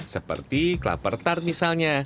seperti klaper tart misalnya